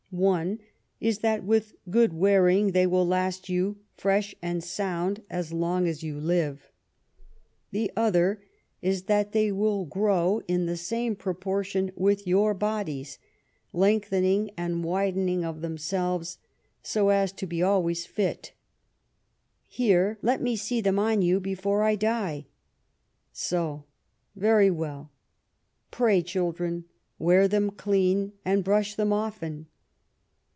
One is, that, with good wearing, they will last you fresh and sound as long as you live. The other is, 232 JONATHAN SWIFT that they will grow in the same proportion with your bodies, lengthening and widening of themselves, so as to be always fit. Here, let me see them on you before I die. So, very well; pray, children, wear them clean, and brush them often.